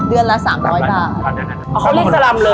เดือนละสามร้อยบาทเพราะง่อนมาเขาเรียกสาร์รำเลย